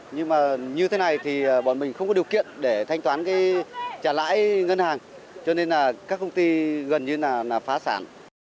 nhưng mà như thế này thì bọn mình không có điều kiện để thanh toán cái trả lãi ngân hàng cho nên là các công ty gần như là phá sản